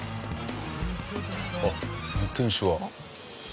あっ運転手が。